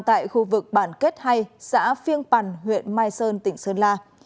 tại khu vực bản kết hay xã phiêng pàn huyện mai sơn tỉnh sơn la